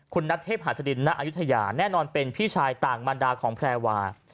คุณนัทเทพหัสดินณอายุทยาแน่นอนเป็นพี่ชายต่างบรรดาของแพรวา